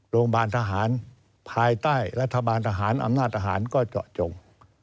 โรงพยาบาลทหารภายใต้รัฐบาลทหารอำนาจทหารก็เจาะจง